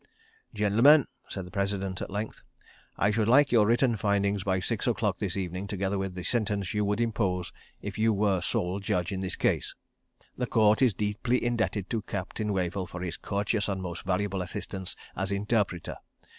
... "Gentlemen," said the President at length, "I should like your written findings by six o'clock this evening, together with the sentence you would impose if you were sole judge in this case. The Court is deeply indebted to Captain Wavell for his courteous and most valuable assistance as interpreter.